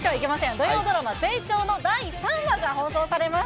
土曜ドラマ、ゼイチョーの第３話が放送されます。